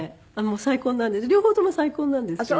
両方とも再婚なんですけれども。